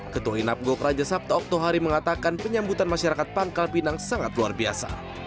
ketua inapgo keraja sabta oktohari mengatakan penyambutan masyarakat pangkalpinang sangat luar biasa